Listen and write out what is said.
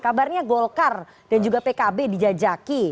kabarnya golkar dan juga pkb dijajaki